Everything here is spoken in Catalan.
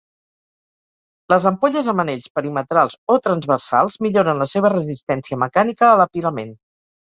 Les ampolles amb anells perimetrals o transversals milloren la seva resistència mecànica a l'apilament.